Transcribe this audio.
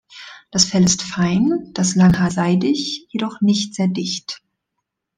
Das Fell ist fein, das Langhaar seidig, jedoch nicht sehr dicht.